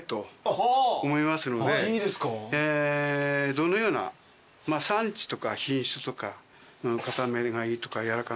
どのような産地とか品種とか硬めがいいとか軟らかめがいいとか。